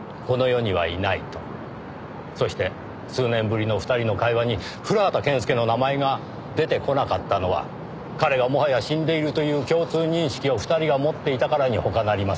そして数年ぶりの２人の会話に古畑健介の名前が出てこなかったのは彼がもはや死んでいるという共通認識を２人が持っていたからに他なりません。